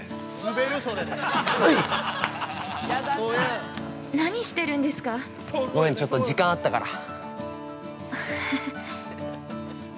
ごめんちょっと時間あったから。